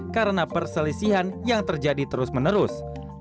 karena perselisihan yang terjadi terus menerus